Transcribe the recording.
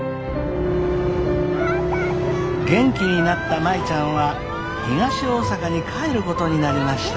元気になった舞ちゃんは東大阪に帰ることになりました。